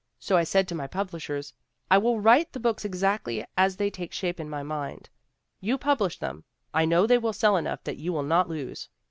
> So I said to my publishers : "I will write the books exactly as they take shape in my mind. You publish them. I know they will sell enough that you will not lose.